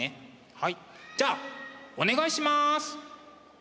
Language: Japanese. はいじゃあお願いします！